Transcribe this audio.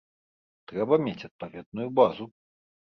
Трэба мець адпаведную базу.